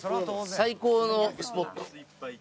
最高のスポット。